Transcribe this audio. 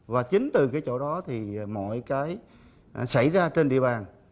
và chính từ cái chỗ đó thì mọi cái xảy ra trên địa bàn